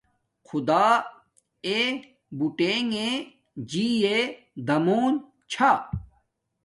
خدݳ ݳݺ بُٹݵݣݺ جِِیّݺ دمݸن چھݳ.